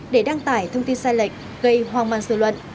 để đăng tải thông tin sai lệch gây hoang mang sự luận